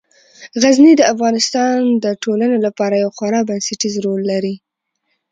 غزني د افغانستان د ټولنې لپاره یو خورا بنسټيز رول لري.